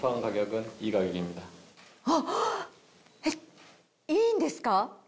えっいいんですか？